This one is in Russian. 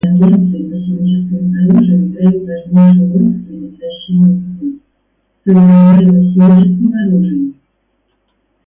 Конвенция по химическому оружию играет важнейшую роль в предотвращении угроз, создаваемых химическим оружием.